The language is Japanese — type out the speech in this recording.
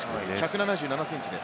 １７７ｃｍです。